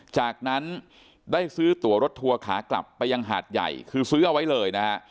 จากนั้นได้ซื้อตัวรถทัวร์ขากลับไปยังหาดใหญ่คือซื้อเอาไว้เลยนะฮะ